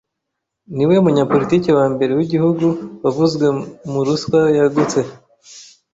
Niwe munyapolitiki wa mbere w’igihugu wavuzwe mu ruswa yagutse.